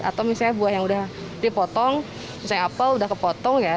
atau misalnya buah yang udah dipotong misalnya apel udah kepotong ya